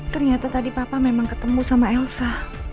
ternyata tadi papa memang ketemu sama elsa